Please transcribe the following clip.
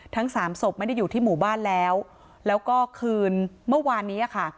ทั้งสามศพไม่ได้อยู่ที่หมู่บ้านแล้วแล้วก็คืนเมื่อวานนี้ค่ะ